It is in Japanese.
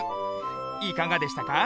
いかがでしたか？